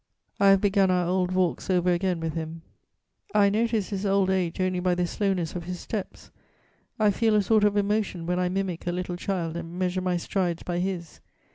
I have begun our old walks over again with him; I notice his old age only by the slowness of his steps; I feel a sort of emotion when I mimic a little child and measure my strides by his.